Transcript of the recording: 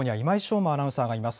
馬アナウンサーがいます。